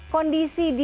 kondisi di saudi